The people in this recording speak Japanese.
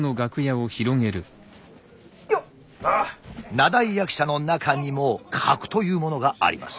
名題役者の中にも格というものがあります。